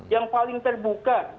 yang paling terbuka